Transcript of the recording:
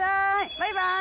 バイバイ。